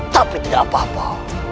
tapi tidak apa apa